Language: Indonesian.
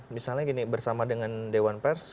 misalnya gini bersama dengan dewan pers